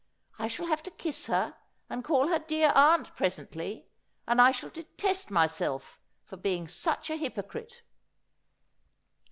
I shall have to kiss her, and call her dear aunt presently, and I shall detest myself for being such a hypocrite.'